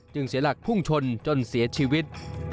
เสียหลักพุ่งชนจนเสียชีวิต